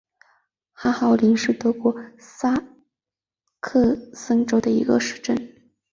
哈豪森是德国下萨克森州的一个市镇。